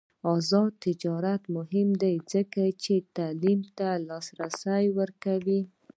آزاد تجارت مهم دی ځکه چې تعلیم ته لاسرسی ورکوي.